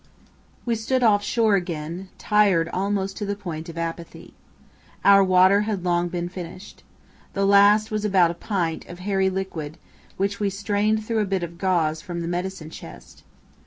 We stood off shore again, tired almost to the point of apathy. Our water had long been finished. The last was about a pint of hairy liquid, which we strained through a bit of gauze from the medicine chest.